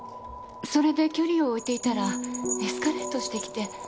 それで距離を置いていたらエスカレートしてきて。